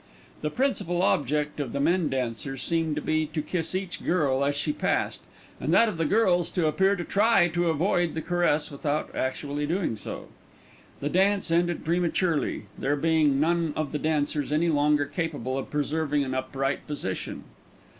The principal object of the men dancers seemed to be to kiss each girl as she passed, and that of the girls to appear to try to avoid the caress without actually doing so. The dance ended prematurely, there being none of the dancers any longer capable of preserving an upright position.